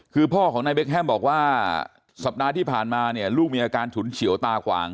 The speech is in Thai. คือพ่อของนายเบคแฮมบอกว่าสัปดาห์ที่ผ่านมาเนี่ยลูกมีอาการฉุนเฉียวตาขวาง